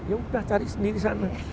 ya udah cari sendiri sana